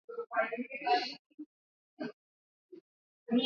kambi za watu wasiokuwa na makazi